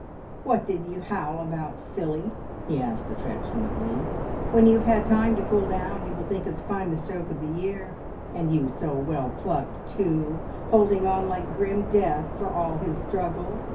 "What did you howl about, silly?" he asked affectionately. "When you've had time to cool down you will think it the finest joke of the year. And you so well plucked, too, holding on like grim death, for all his struggles.